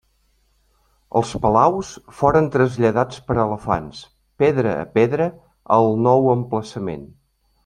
Els palaus foren traslladats per elefants, pedra a pedra, al nou emplaçament.